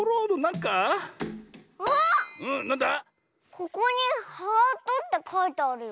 ここに「ハート」ってかいてあるよ。